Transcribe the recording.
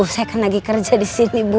saya kan lagi kerja disini bu